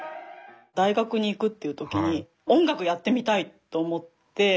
大学に行くっていう時に音楽やってみたいと思って。